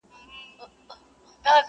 وېښته مي ولاړه سپین سوه لا دي را نکئ جواب.